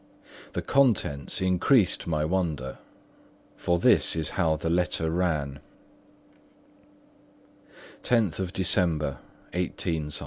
The contents increased my wonder; for this is how the letter ran: "10_th December_, 18—.